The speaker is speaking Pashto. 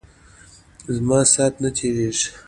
زما سات نه تیریژی.